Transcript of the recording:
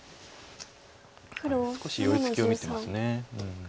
少し寄り付きを見てます。